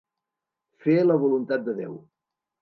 Fer la voluntat de Déu.